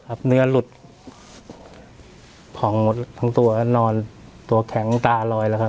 เนื้อหลุดผ่องหมดทั้งตัวนอนตัวแข็งตาลอยแล้วครับ